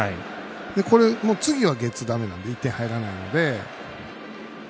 これ、次はゲッツーだめなんで１点、入らないので。